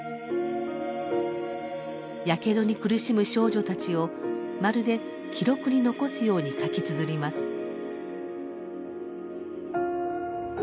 やけどに苦しむ少女たちをまるで記録に残すように書きつづります。